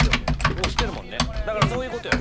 推してるもんねだからそういうことよ